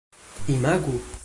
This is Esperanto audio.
imagu